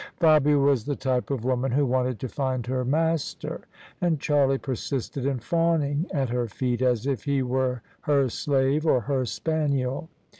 Fabia was the type of woman who wanted to find her mas ter: and Charlie persisted in fawning at her feet, as if he were her slave or her spaniel.